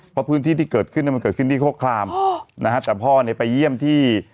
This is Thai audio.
เพราะพื้นที่ที่เกิดขึ้นเนี่ยมันเกิดขึ้นที่โคครามนะฮะแต่พ่อเนี่ยไปเยี่ยมที่